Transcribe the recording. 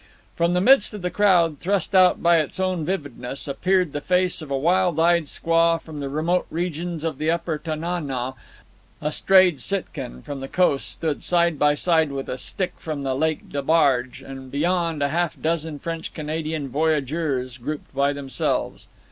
From the midst of the crowd, thrust out by its own vividness, appeared the face of a wild eyed squaw from the remote regions of the Upper Tana naw; a strayed Sitkan from the coast stood side by side with a Stick from Lake Le Barge, and, beyond, a half dozen French Canadian voyageurs, grouped by themselves.